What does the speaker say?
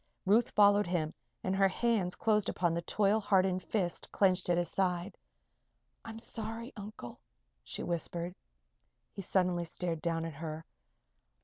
Ruth followed him and her hands closed upon the toil hardened fist clenched at his side. "I'm sorry, Uncle," she whispered. He suddenly stared down at her.